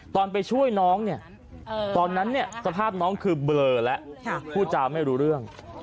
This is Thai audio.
ตอนไปช่วยน้องเนี่ยตอนนั้นสภาพน้องคือเบลอแล้วพูดจาไม่รู้เรื่อง